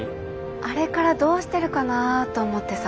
あれからどうしてるかなぁと思ってさ。